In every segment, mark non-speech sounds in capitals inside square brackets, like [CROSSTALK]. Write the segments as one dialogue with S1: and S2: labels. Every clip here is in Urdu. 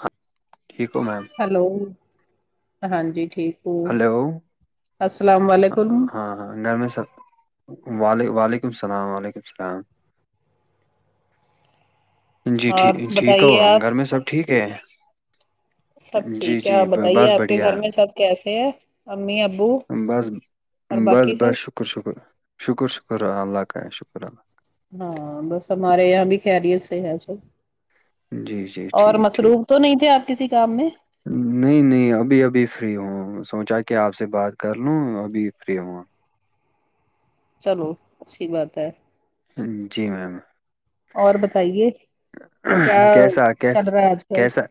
S1: ہاں ٹھیک ہو میم
S2: ہیلو ہاں جی ٹھیک ہوں
S1: ہلو
S2: السلام علیکم
S1: ہاں ہاں گھر میں سب و وعلیکم السلام و علیکم السلام جی
S2: اور
S1: ٹھیک ہو
S2: بتائیے آپ
S1: گھر میں سب ٹھیک ہے
S2: سب
S1: جی
S2: ٹھیک ہے
S1: جی
S2: آپ بتائیے
S1: بس
S2: آپ کے
S1: بڑھیا
S2: گھر میں سب کیسے ہے امی ابو
S1: بس
S2: اور
S1: بس
S2: باقی سب
S1: بس شکر شکر شکر شکر اللہ کا شکر اللہ
S2: ہاں بس ہمارے یہاں بھی خیریت سے ہے سب
S1: جی جی
S2: اور
S1: ٹھیک ٹھیک
S2: مصروف تو نہیں تھے آپ کسی کام میں
S1: نہیں نہیں ابھی ابھی فری ہوں سوچا کہ آپ سے بات کر لوں ابھی فری ہوں
S2: چلو اچھی بات ہے
S1: ہاں جی میم
S2: اور بتائیے کیا
S1: کیسا کیس
S2: چل رہا ہے آج کل
S1: کیسا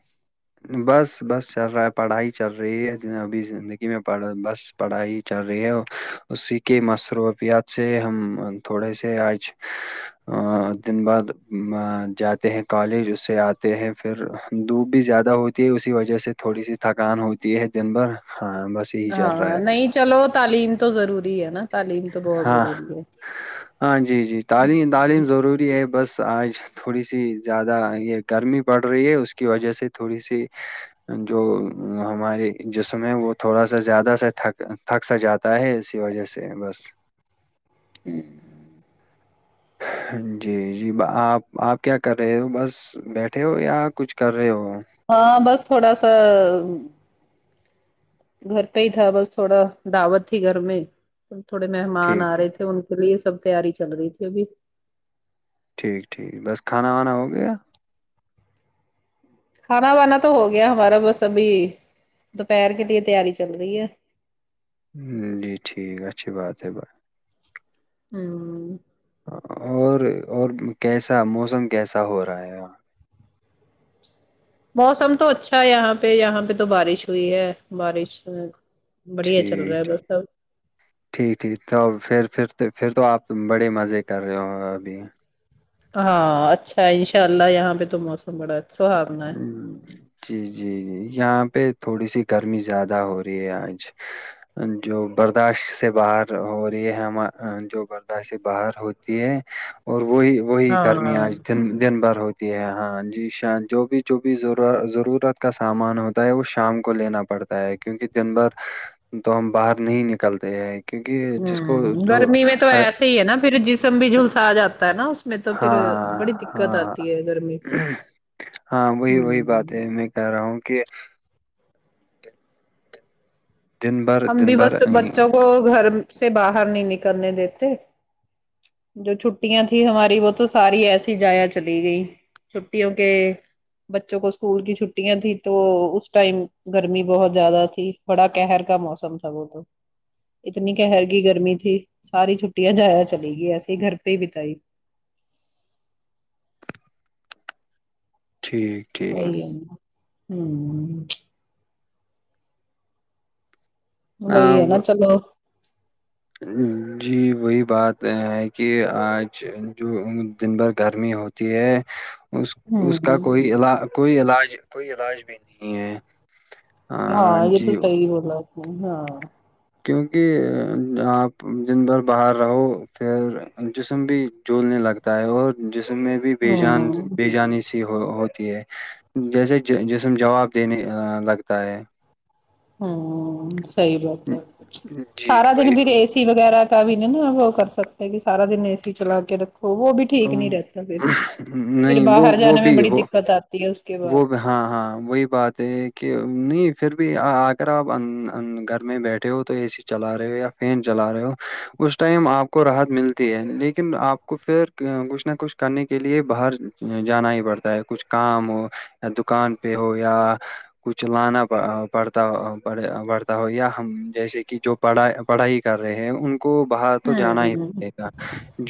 S1: بس بس چل رہا ہے پڑھائی چل رہی ہے ابھی زندگی میں پڑ بس پڑھائی چل رہی ہے اسی کے مصروفیات سے ہم تھوڑے سے آج دن بعد جاتے ہیں کالج اس سے آتے ہیں پھر دوپ بھی زیادہ ہوتی تی ہے اسی وجہ سے تھوڑی سی تھکان ہوتی ہے دن بھر ہاں بس یہی چل رہا
S2: ہاں
S1: ہے آج
S2: نہیں
S1: کا
S2: چلو تعلیم تو ضروری ہے نا تعلیم تو بہت
S1: ہاں
S2: ضروری ہے
S1: ہاں جی جی تعلیم تعلیم ضروری ہے بس آج تھوڑی سی زیادہ یہ گرمی بڑ رہی ہے اس کی وجہ سے تھوڑی سی جو ہمارے جسم ہے وہ تھوڑا سا زیادہ سے تھک تھک سا جاتا ہے اسی وجہ سے بس
S2: ہمم
S1: جی جی آپ آپ کیا کر رہے ہو بس بیٹھے ہو یا کچھ کر رہے ہو آپ
S2: ہاں بس تھوڑا سا گھر پہ ہی تھا بس تھوڑا دعوت تھی گھر میں تھوڑے مہمان آ
S1: ٹھیک
S2: رہے تھے ان اس لیے یہ سب تیاری چل رہی تھی ابھی
S1: ٹھیک ٹھیک بس کھانا وانا ہو گیا
S2: کھانا وانا تو ہو گیا ہمارا بس ابھی دوپہر کے لیے تیاری چل رہی ہے
S1: جی ٹھیک اچھی بات ہے ب
S2: ہوں
S1: ہاں اور اور کیسا موسم کیسا ہو رہا ہے
S2: موسم تو اچھا ہے یہاں پہ یہاں پہ تو بارش ہوئی ہے بارش بڑھیا چل
S1: ٹھیک
S2: رہا ہے بس
S1: ٹھیک
S2: سب
S1: ٹھیک ٹھیک تو پھر پھر تو پھر تو آپ بڑے مزے کر رہے ہو ابھی
S2: ہاں اچھا ہے انشاء اللہ یہاں پہ تو موسم بڑا سہارنا ہے
S1: جی جی جی یہاں پہ تھوڑی سی گرمی زیادہ ہو رہی ہے آج جو برداشت سے باہر ہو رہی ہے ہم جو برداشت سے باہر ہو ہو ہے اور وہی وہی
S2: ہاں
S1: گرمیاںج دن بھر ہوتی ہے ہاں جی ش جو جو بھیور ضرورت کا سامان ہوتا ہے وہ شام کو لینا پڑتا ہے کیونکہ دن بھر تو ہم باہر نہیں نکلتے ہیں کیونکہ جس کو
S2: ہوں
S1: جو
S2: گرمی میں تو
S1: ہاں
S2: ایسے ہی ہے نا پھر جسم بھی جھولسا آ جاتا ہے نا اس میں تو پھر
S1: ہاں
S2: بڑی دقت
S1: ہاں
S2: آتی ہے گرمی
S1: ہاں وہی وہی بات
S2: ہوں
S1: ہے میں کہہ رہا ہوں کہ دن بھر
S2: ہم
S1: دن
S2: بھی
S1: بھر
S2: بس بچوں کو گھر سے باہر نہیں نکلنے دیتے جو چھٹیاں تھیں ہماری وہ تو ساری ایسی زایا چلی گئی چھٹیوں کے بچوں کو اسکول کی چھٹیاں تھی تو اس ٹائم گرمی بہت زیادہ تھی بڑا قہر کا موسم تھا وہ تو اتنی قہر کی گرمی تھی ساری چھٹیاں جایا چلی گئی ایسے ہی گھر پہ ہی بتائی
S1: ٹھیک
S2: وہی
S1: ٹھیک
S2: ہے ہوں بئی ہے
S1: اب
S2: نا چلو
S1: جی وہی بات ہے کہ آج جو دن بھر گرمی ہوتی ہوتی ہے اس اس
S2: ہ
S1: کا کوئی علا کوئی علاج کوئی علاج بھی نہیں ہے
S2: ہاں یہ تو صحیح بولا آپ نے ہاں
S1: کیونکہ آپ دن بھر باہر رہو پھر جسم بھی جولنے لگ تا ہے اور جسم میں بھی بےجان
S2: ہاں
S1: بےجانی سے ہو ہوتی ہے جیسے جسم جواب دینے لگتا ہے
S2: ہاں صحیح بات ہے
S1: جی
S2: سارا دن بھی
S1: وہی
S2: اے سی وغیرہ کا بھی نہیں نا وہ کر سکتا ہے کہ سارا دن اے سی چلا کے رکھو وہ بھی ٹھیک نہیں رہتا پھر پھر
S1: نہیں وہ
S2: باہر
S1: وہ
S2: جانے میں
S1: بھی
S2: بڑی
S1: وہ
S2: دقت آتی ہے اس کے بعد
S1: وہ بھی- ہاں ہاں وہی بات ہے کہ نہیں پھر بھی اگر آپ گھر میں بیٹھے ہو تو اے سی چلا رہے ہو یا فین چلا رہے ہو اس ٹائم آپ کو راحت ملتی ہے لیکن آپ کو پھر کچھ نہ کچھ کرنے کے لیے باہر جانا ہی پڑتا ہے کچھ کام ہو دکان پہ ہو یا کچھ لانا پڑتا پڑتا ہو یا ہم جیسے کی جو پڑھائی پڑھائی کر رہے ہیں ان کو باہر تو جانا ہی
S2: ہوں
S1: پڑے گا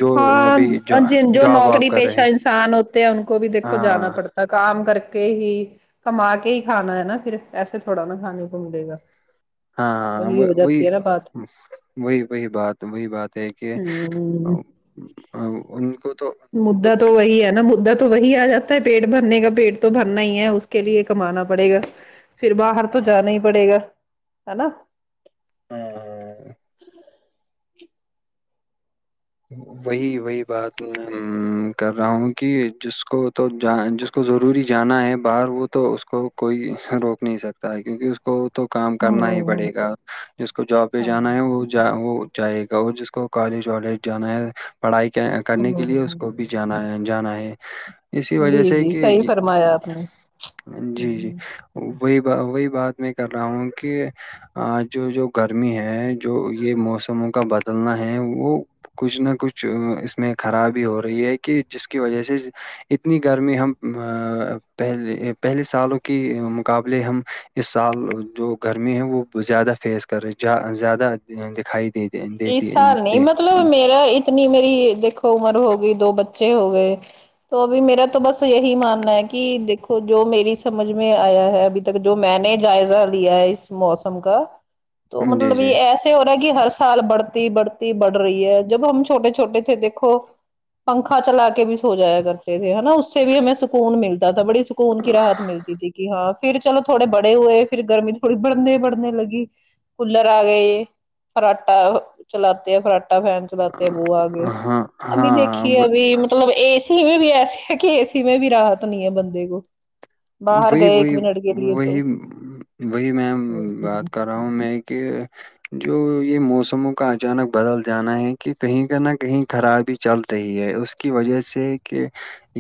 S1: جو ابھی جاب واب کر رہے ہیں
S2: کسان ہوتے ہیں ان کو بھی دیکھو جانا
S1: ہاں
S2: پڑتا ہے کام کر کے ہی کما کے ہی کھانا ہے نا پھر ایسے تھوڑا نا کھانے کوملیگا
S1: ہاں ہاں وہی
S2: بات
S1: وہی وہی بات وہی بات تھے کہ
S2: ہوں
S1: ان کو تو
S2: مدا تو وہی ہے نا مدا تو وہی آ جاتا ہے پیٹ بھرنے کا پیٹ تو بھرنا ہی ہے کے لیے کمانا پڑے گا پھر باہر تو جانا ہی پڑے گا ہے نا
S1: ہممم وہی وہی بات میں کر رہا ہوں کہ جس کو تو جہا جس اس کو ضروری جانا ہے باہر وہ تو اس کو کوئی روک نہیں سکتا ہے کیونکہ اس کو تو کام کرنا ہی
S2: ہوں
S1: پڑے گا جس کو جاب پہ
S2: ہاں
S1: جانا ہے وہ وہ جائے گا اور جس کو کالج والالج جانا ہے پڑھائی کرنے کے لیے اس
S2: ہوں
S1: کو بھی جانا ہے جانا ہے اسی وجہ
S2: جی
S1: سے
S2: جی
S1: کہ
S2: صحیح فرمایا آپ نے
S1: جی جی
S2: ہ
S1: وہی ب وہی بات میں کر رہا ہوں کہ آ جو جو گرمی ہے جو یہ موسموں کا بدلنا ہے وہ کچھ نہ کچھ اس میں خرابی ہو رہی ہے کہ جس کی وجہ سے اتنی گرمی ہم ا پہل پہلے سالوں کی مقابلے ہم اس سال جو گرمی ہے وہ زیادہ فیس کر زیادہ دکھائی دی
S2: اس سال نہیں مطلب میرا اتنی میری دیکھو عمر ہوگئی دو بچے ہو گئے تو ابھی میرا تو بس یہی ماننا ہے کہ دیکھو جو میری سمجھ میں آیا ہے ابھی ک جو میں نے جائزہ لیا ہے اس موسم کا تو
S1: جی،
S2: مطلب
S1: جی۔
S2: یہ ایسے ہو رہا ہے کہ ہس سال بڑھتی بڑھتی بڑھ رہی ہے جب ہم چھوٹے چھوٹے تھے دیکھو پنکھا چلا کے بھی سو جایا کرتے تھے ہے نا اس سے بھی ہمیں سکون ملتا تھا بڑی سکون کی راحت ملتی تھی کہ ہاں پھر چلو تھوڑے بڑے ہوئے پھر گرمی تھوڑی بڑھنے بڑھنے لگی کولر آ گئے فراٹا چلاتے ہے فراٹا فین چلاتے ہے وہ آ گئے
S1: ہاں، ہاں،
S2: ابھی دیکھی
S1: ہاں،
S2: ہے اب مطلب اے سی میں بھی ایسے ہے کہ اے سی میں بھی راحت نہیں ہے بندے کو باہر
S1: وہی
S2: گئے ایک
S1: وہی
S2: منٹ کے لیے تو
S1: وہی وہی میں
S2: ہ
S1: بات کر رہا ہوں میں کہ جو یہ موسموں کا اچانک بدل جانا ہے کہ کہیں کا نہ کہیں خرابی چل رہی ہے اس کی وجہ سے کہ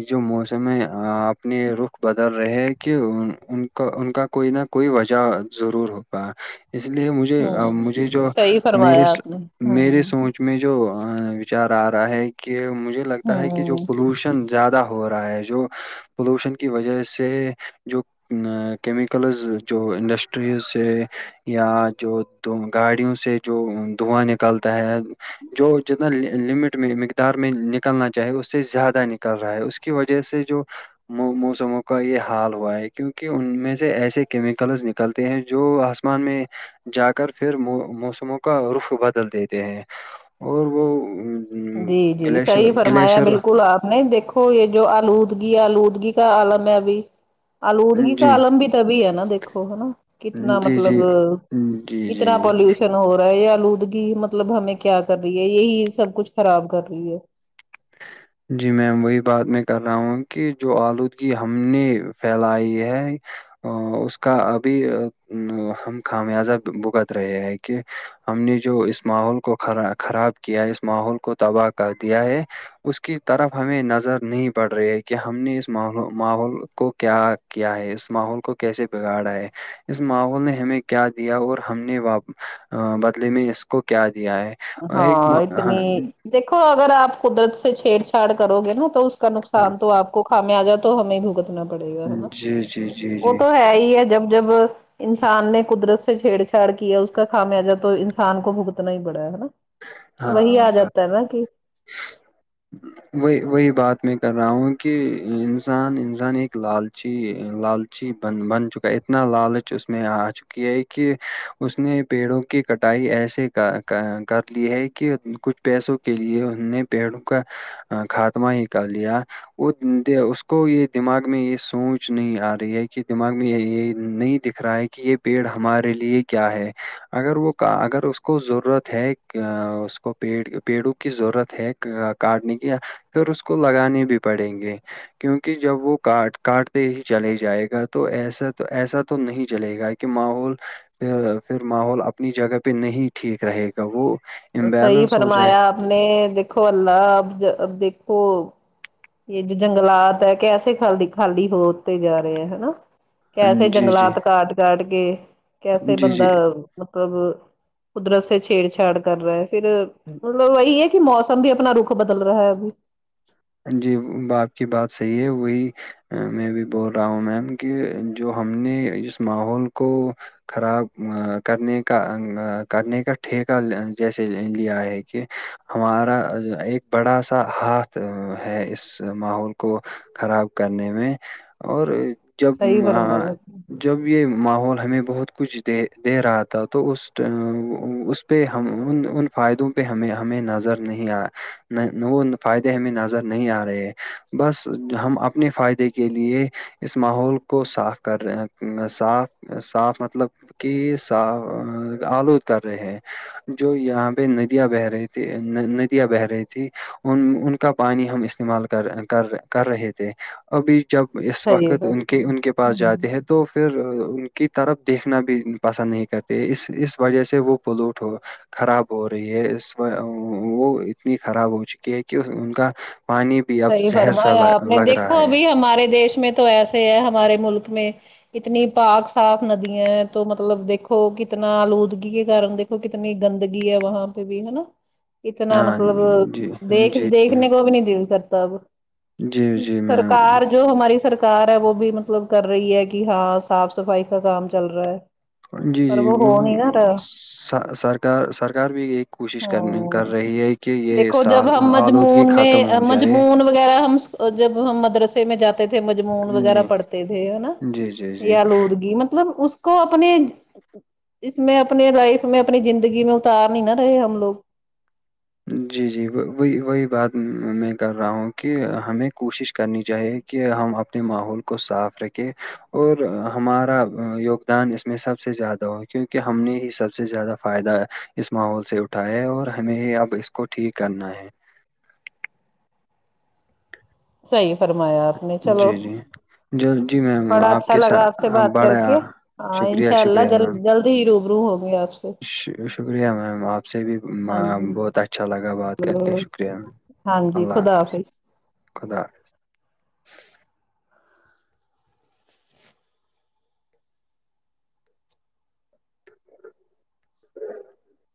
S1: جو موسم ہے اپنے رخ بد ڈر رہے کہ ان کا ان کا کوئی نہ کوئی وجہ ضرور ہوتا ہے اس لیے مجھے
S2: ہ
S1: مجھے جو
S2: صحیح
S1: مے
S2: فرمایا آپ نے
S1: میرے سوچ میں جوچار آ رہا ہے کہ مجھے
S2: ہ
S1: لگتا ہے کہ
S2: ہ
S1: جو پولوشن زیادہ ہو رہا ہے جو پولوشن کی وجہ سے جو کیمیکلز جو انڈسٹریز سے یا جو تو گاڑیوں سے جو دھواں نکلتا ہے جو جتنا لمٹ میں مقدار میں نکلنا چاہے اس سے زیادہ نکل رہا ہے اس کے کی وجہ سے جو موسموں کو کا یہ حال ہوا ہے کیونکہ ان میں سے ایسے کیمیکلس نکلتے ہیں جو آسمان میں جا کر پھر موسموں کا رخ بدل دیتے ہیں اور وہ
S2: جی جی صحیح
S1: گلیشر
S2: فرمایا
S1: گلیشر
S2: بالکل آپ نے دیکھو ہو یہ جو آلودگی آلودگی کا آالم ہے ابھی آلودگی کا
S1: جی
S2: آالم بھی تبھی ہے نا دیکھو ہے نا کتنا
S1: جی
S2: مطلب
S1: جی جی جی
S2: اتنا
S1: جی
S2: پالوشن ہو رہا ہے یہ آلودگی مطلب ہمیں کیا کر رہی ہے یہی سب کچھ خراب کر رہی ہے
S1: جی میم وہی بات میں کر رہا ہوں کہ جو آلودگی ہم نے پھیلائی ہے ا اس کا ابھی ہم خامیازہ بھگت رہے ہیں کہ ہم نے جو اس ماحول کو خراب کیا ہے اس ماحول کو تباہ کر دیا ہے اس کی طرف ہمیں نظر نہیں پڑ رہی ہے کہ ہم نے اس ماحول کو کیا کیا ہے اس ماحول کو کیسے بگاڑا ہے اس ماحول نے ہمیں کیا دیا اور ہم نے بدلے میں اس کو کیا دیا ہے اور ایک
S2: ہاں اتنی دیکھو اگر آپ قدرت سے چھیڑ چھاڑ کرو گے نا تو اس کا
S1: ہاں،
S2: نقصان تو آپ کو خمیازہ تو ہمیں بھگتنا پڑے گا ہے نا
S1: جی جی جی
S2: وہ
S1: جی
S2: تو ہے ہی ہے جب جب انسان نے قدرت سے چھیڑ چھاڑ کیا اس کا خامیازہ تو انسان کو بھگتنا ہی پڑا ہے نا وہی
S1: ہاں
S2: آ
S1: بس
S2: جاتا ہے نا کہ
S1: وہی وہی بات میں کر رہا ہوں کہ انسان انسان ایک لالچی لال جی بن بن چکا ہے اتنا لالچ اس میں آ چکی ہے کہ اس نے پیڑوں کی کٹائی ایسے کر کر لی ہے کہ کچھ پیسوں کے لیے ان نے پیڑوں کا خاتمہ ہی کر لیا وہ اس کو یہ دماغ میں یہ سوچ نہیں آ رہی ہے کہ دماغ میں یہ نہیں دکھ دکھ رہا ہے کہ یہ پیڑ ہمارے لیے کیا ہے اگر وہ اگر اس کو ضرورت ہے کیا اس کو پیڑ پیڑوں کی ضرورت ہے کا کاٹنے کی پھر اس کو لگانے بھی پڑیں گے کیونکہ جب وہ کاٹ کاٹتے ہی چلے جائے گا تو ایسا تو ایسا تو نہیں چلے گا کہ ماحول پھر ماحول اپنی جگہ پہ نہیں ٹھیک رہے گا وہ
S2: صحیح
S1: امبیلنس ہو جائے
S2: فرمایا اپنے دیکھو اللہ دیکھو اللہ اب دیکھو یہ جو جنگلات ہے کیسے خالی خالی ہوتے جا رہے ہے نا کیسے
S1: جی جی
S2: جنگلات کاٹ کاٹ کے کیسے
S1: جی جی
S2: بندہ مطلب قدرت سے چھیڑ چھاڑ کر رہا ہے پھر
S1: ہوں
S2: مطلب یہی ہے کہ موسم بھی اپنا رخ بدل رہا ہے ابھی
S1: جی باپ کی بات صحیح ہے وہی میں بھی بول رہا ہوں میم کہ جو ہم نے اس ماحول کو خراب کرنے کا کرنے کا ٹھیکہ جیسے لیا ہے کہ ہمارا جو ایک بڑا سا ہا تھ ہے اس ماحول کو خراب کرنے میں اور جب
S2: صحیح
S1: ماں
S2: فرمایا آپ نے،
S1: جب یہ ماحول ہمیں بہت کچھ دے دے رہا تھا تو اس ٹا آ اس پہ ہم ان ان فائدوں پہ ہمیں ہمیں نظر نہیں آئے نہ ان فا ئدے ہمیں نظر نہیں آ رہے ہیں بس ہم اپنے فائدے کے لیے اس ماحول کو صاف کر رہے صاف صاف مطلب کی سا آلود کر رہے ہیں جو یہاں پہ ندیاں بہ رہی تھی ندیاں بہ رہی تھی ان ان کا پانی ہم استعمال کر کر رہے تھے ابھی جب اس
S2: صحیح
S1: وقت ان
S2: بات
S1: کے
S2: ہے
S1: ان کے پاس
S2: ہوں
S1: جاتے ہیں تو پھر ان کی طرف دیکھنا بھی پسند نہیں کرتے اس اس وجہ سے وہ پلیوٹ ہو خراب ہو رہی ہے اس وہ اتنی خراب ہو چکی ہے کہ ان کا پانی بھی اب
S2: صحیح
S1: زہر سا
S2: فرمایا
S1: لگ
S2: آپ نے
S1: لگ رہا
S2: دیکھو
S1: ہے
S2: ابھی ہمارے دیش میں تو ایسے ہے ہمارے ملک میں اتنی پاک صاف ندیاں ہیں تو مطلب دیکھو کتنا آلودگی کے کارن دیکھو تو کتنی گندگی ہے وہاں پہ بھی ہے نا اتنا
S1: ہاں
S2: مطلب
S1: جی
S2: دیکھ
S1: جی
S2: دیکھنے کو بھی نہیں دل کرتا اب
S1: جی جی میں
S2: سرکار جو ہماری سر کار ہے وہ بھی مطلب کر رہی ہے کہ ہاں صاف صفائی کا کام چل رہا ہے
S1: جی
S2: پر
S1: جی وہ
S2: ہو نہیں نا رہا
S1: سا سرکار سرکار بھی یہ کوشش کر
S2: ہاں
S1: کر رہی ہے کہ یہ
S2: دیکھو جب
S1: سال
S2: ہم
S1: آلودگی
S2: مجمون
S1: ختم
S2: میں
S1: ہو جائے
S2: مجمون وغیرہ ہم س جب ہم مدرسے میں جا تے تھے مجمون وغیرہ
S1: جی
S2: پڑھتے تھے نا
S1: جی جی
S2: یہ
S1: جی
S2: آلودگی مطلب اس اس کو اپنے اس میں اپنے لائف میں اپنی زندگی میں اتار نہیں نہ رہے ہم لوگ
S1: جی جی و وہی وہی بات میں کر رہا ہوں کہ ہمیں کوشش کرنی چاہیے کہ ہم اپنے ماحول کو صاف رکھے اور ہمارا یوگ دان اس میں سب سے زیادہ ہو کیونکے ہم نے ہی سب سے زیادہ فائدہ اس ماحول سے اٹھاہے اور ہمیں ہی اب اس کو ٹھیک کرنا ہے
S2: صحیح فرمایا آپ نے چلو
S1: جل جی میں
S2: بڑا اچھا لگا آپ سے بات کر کے ہاں
S1: شکریہ،
S2: انشاء الله
S1: شکریہ
S2: جلد
S1: میم،
S2: جلد ہی روبرو ہونگے آپ سے
S1: ش شکریہ میم آپ سے بھی ب
S2: ہاں جی
S1: بہت اچھا لگا بات کر کے شکریہ
S2: ہاں جی
S1: اللہ
S2: خدا حافظ
S1: خدا [INAUDIBLE]